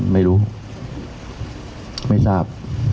ไม่รู้ไม่ทราบ